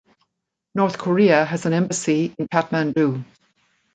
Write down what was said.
North Korea has an embassy in Kathmandu.